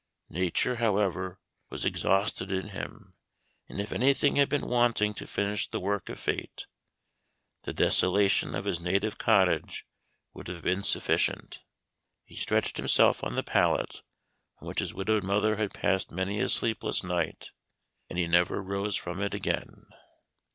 Nature, however, was exhausted in him; and if any thing had been wanting to finish the work of fate, the desolation of his native cottage would have been sufficient. He stretched himself on the pallet on which his widowed mother had passed many a sleepless night, and he never rose from it again.